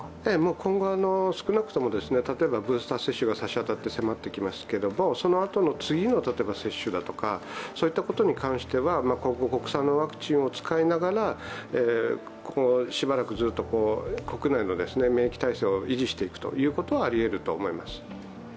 今後は少なくとも、例えばブースター接種がさしあたって迫ってきますけれども、そのあとの次の接種だとか、そういったことに関しては国産のワクチンを使いながら、しばらく国内の免疫体制を維持していくことはあり得ると思います。